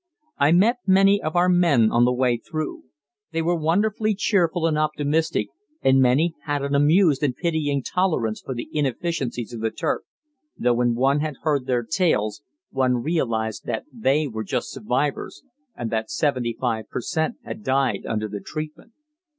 I met many of our men on the way through. They were wonderfully cheerful and optimistic, and many had an amused and pitying tolerance for the inefficiencies of the Turk, though when one had heard their tales, one realized that they were just survivors and that 75 per cent. had died under the treatment.